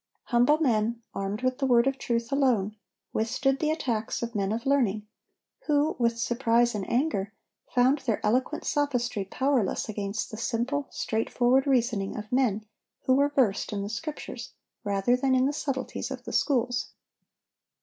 Humble men, armed with the Word of truth alone, withstood the attacks of men of learning, who, with surprise and anger, found their eloquent sophistry powerless against the simple, straightforward reasoning of men who were versed in the Scriptures rather than in the subtleties of the schools.